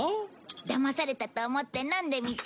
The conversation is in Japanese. だまされたと思って飲んでみて。